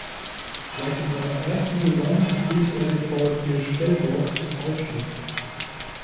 Gleich in seiner ersten Saison führte er den VfB Speldorf zum Aufstieg.